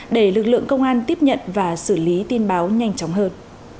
để lực lượng công an tiếp nhận và xử lý tin báo nhanh chóng hơn